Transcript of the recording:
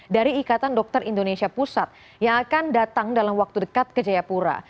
dari ikatan dokter indonesia pusat yang akan datang dalam waktu dekat ke jayapura